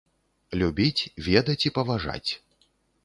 Любіць, ведаць і паважаць.